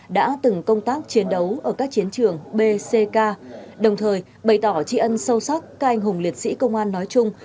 đã từng công tác chiến đấu ở các chiến trường b c k đồng thời bày tỏ trị ân sâu sắc các anh hùng liệt sĩ công an nói chung